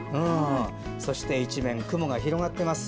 そして空は一面雲が広がっています。